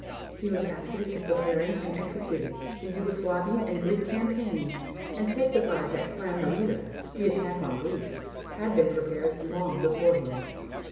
He was active in preparing and executing the Yugoslavian and Greek campaigns, and testified that "Plan Marita," the attack on Greece, had been prepared long beforehand.